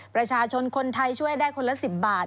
ประชาชนคนไทยช่วยได้คนละ๑๐บาท